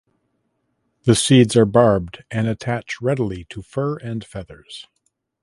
The seeds are barbed and attach readily to fur and feathers.